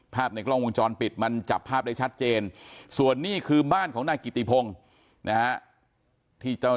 ภาพในกล้องวงจรปิดมันจับภาพได้ชัดเจนส่วนนี้คือบ้านของนายกิติพงศ์นะฮะที่เจ้า